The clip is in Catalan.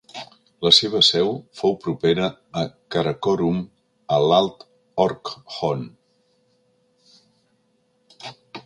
La seva seu fou propera a Karakorum a l'alt Orkhon.